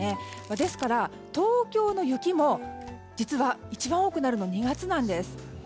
ですから、東京の雪も実は一番多くなるの２月なんです。